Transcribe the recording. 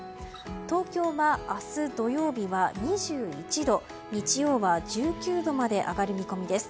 東京は明日土曜日は２１度日曜は１９度まで上がる見込みです。